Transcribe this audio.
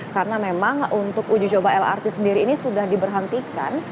karena memang untuk uji coba lrt sendiri ini sudah diberhentikan